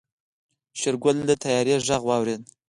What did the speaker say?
شېرګل د طيارې غږ واورېد.